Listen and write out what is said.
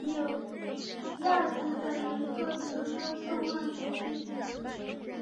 柳亚子等人作诗歌颂万福华。